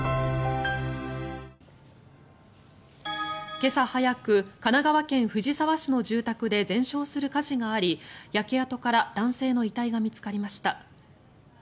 今朝早く神奈川県藤沢市の住宅で全焼する火事があり焼け跡から男性の遺体が見つかりました。